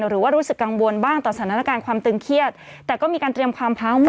รู้สึกกังวลบ้างต่อสถานการณ์ความตึงเครียดแต่ก็มีการเตรียมความพร้าวมั